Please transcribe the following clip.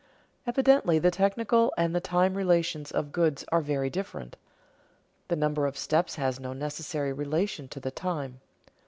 Evidently the technical and time relations of goods are very different. The number of steps has no necessary relation to the time.